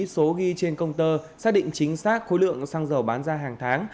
số ghi trên công tơ xác định chính xác khối lượng xăng dầu bán ra hàng tháng